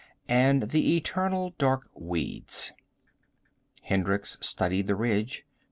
And the eternal dark weeds. Hendricks studied the ridge.